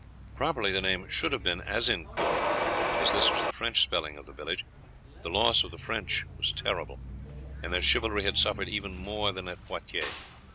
Properly the name should have been Azincourt, as this was the French spelling of the village. The loss of the French was terrible, and their chivalry had suffered even more than at Poitiers.